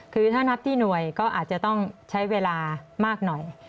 คือถ้านับที่หน่วยก็อาจจะต้องใช้เวลามากหน่อย